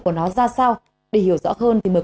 của nó ra sao để hiểu rõ hơn thì mới